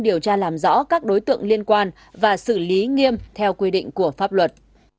điều tra làm rõ các đối tượng liên quan và xử lý nghiêm theo quy định của pháp luật